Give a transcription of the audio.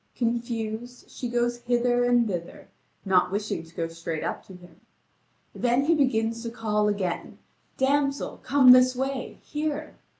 Confused, she goes hither and thither, not wishing to go straight up to him. Then he begins to call again: "Damsel, come this way, here!"